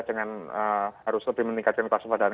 dengan harus lebih meningkatkan kelas kepadanya